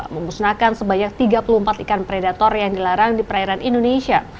memusnahkan sebanyak tiga puluh empat ikan predator yang dilarang di perairan indonesia